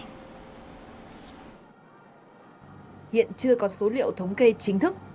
hiện chưa có số liệu thống kê chính thức